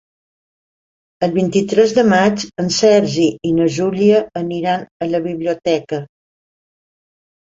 El vint-i-tres de maig en Sergi i na Júlia aniran a la biblioteca.